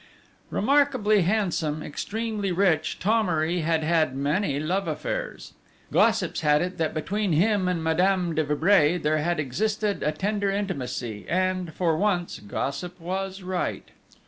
Remarkably handsome, extremely rich, Thomery had had many love affairs. Gossips had it that between him and Madame de Vibray there had existed a tender intimacy; and, for once, gossip was right.